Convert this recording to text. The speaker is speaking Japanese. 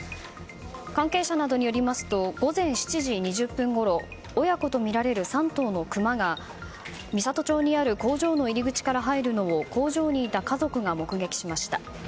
関係者などによりますと午前７時２０分ごろ親子とみられる３頭のクマが美郷町にある工場の入り口から入るのを工場にいた家族が目撃しました。